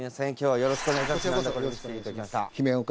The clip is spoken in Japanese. よろしくお願いします。